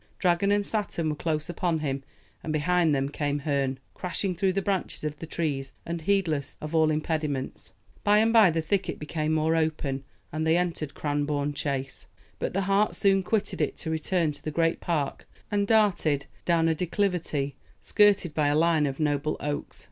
Dragon and Saturn were close upon him, and behind them came Herne, crashing through the branches of the trees, and heedless of all impediments. By and by the thicket became more open, and they entered Cranbourne Chase. But the hart soon quitted it to return to the great park, and darted down a declivity skirted by a line of noble oaks.